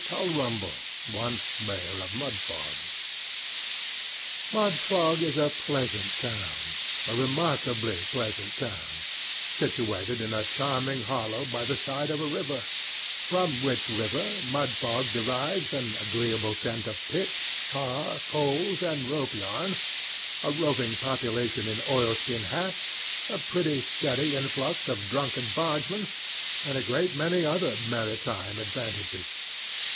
TULRUMBLE ONCE MAYOR OF MUDFOG MUDFOG is a pleasant town—a remarkably pleasant town—situated in a charming hollow by the side of a river, from which river, Mudfog derives an agreeable scent of pitch, tar, coals, and rope yarn, a roving population in oilskin hats, a pretty steady influx of drunken bargemen, and a great many other maritime advantages.